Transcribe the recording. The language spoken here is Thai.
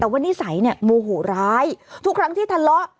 แต่ว่านิสัยเนี่ยโมโหร้ายทุกครั้งที่ทะเลาะ